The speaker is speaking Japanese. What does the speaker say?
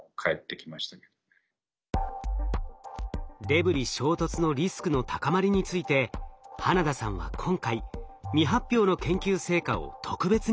デブリ衝突のリスクの高まりについて花田さんは今回未発表の研究成果を特別に教えてくれました。